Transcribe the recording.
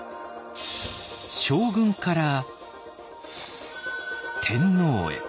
将軍から天皇へ。